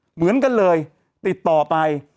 เหมือนกันเลยติดต่อไป